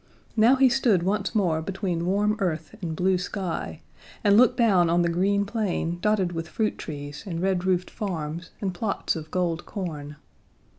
Now he stood once more between warm earth and blue sky, and looked down on the green plain dotted with fruit trees and red roofed farms and plots of gold corn.